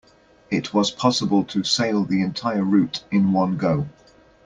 It was possible to sail the entire route in one go.